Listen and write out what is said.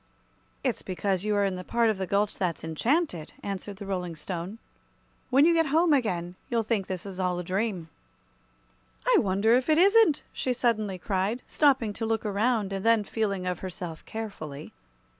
"It's because you are in the part of the gulch that's enchanted," answered the Rolling Stone. "When you get home again, you'll think this is all a dream." "I wonder if it isn't!" she suddenly cried, stopping to look around, and then feeling of herself carefully.